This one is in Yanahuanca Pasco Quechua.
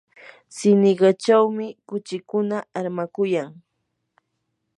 siniqachawmi kuchikuna armakuyan.